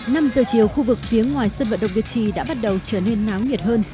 năm giờ chiều khu vực phía ngoài sân vận động việt trì đã bắt đầu trở nên náo nhiệt hơn